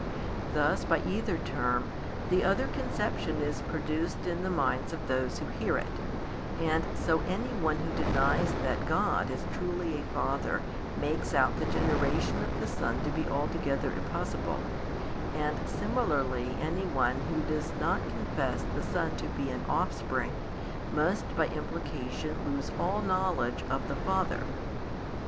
Thus by either term the other conception is produced in the minds of those who hear it, and so any one who denies that God is truly a Father makes out the generation of the Son to be altogether impossible, and similarly any one who does not confess the Son to be an Offspring must by implication lose all knowledge of the Father.